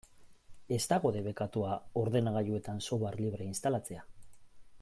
Ez dago debekatua ordenagailuetan software librea instalatzea.